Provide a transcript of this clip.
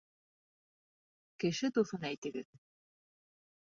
Кеше дуҫын әйтегеҙ?